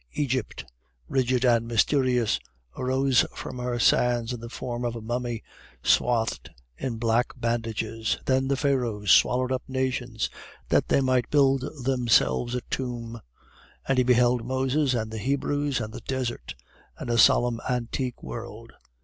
Egypt, rigid and mysterious, arose from her sands in the form of a mummy swathed in black bandages; then the Pharaohs swallowed up nations, that they might build themselves a tomb; and he beheld Moses and the Hebrews and the desert, and a solemn antique world.